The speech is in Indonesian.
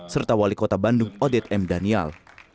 serta wali kota bandung odet m daniel